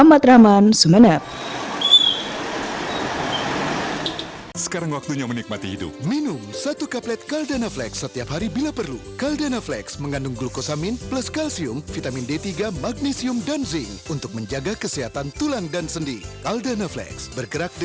ahmad rahman sumeneb